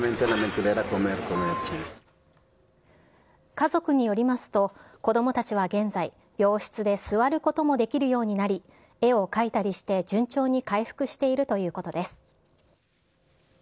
家族によりますと、子どもたちは現在、病室で座ることもできるようになり、絵を描いたりして、順調に回復しているということです。